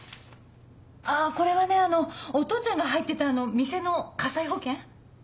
あこれはねお父ちゃんが入ってた店の火災保険。